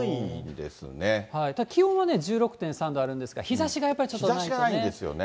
気温はね、１６．３度あるんですが、日ざしがやっぱりちょっとないんでね。